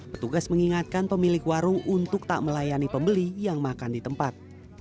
petugas mengingatkan pemilik warung untuk tak melayani pembeli yang makan di tempat